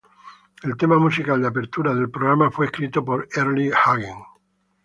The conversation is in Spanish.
El tema musical de apertura del programa fue escrito por Earle Hagen.